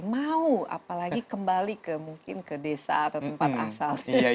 mau apalagi kembali ke mungkin ke desa atau tempat asal